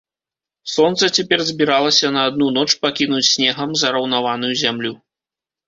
Сонца цяпер збіралася на адну ноч пакінуць снегам зараўнаваную зямлю.